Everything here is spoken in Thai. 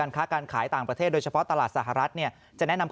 ค้าการขายต่างประเทศโดยเฉพาะตลาดสหรัฐจะแนะนำ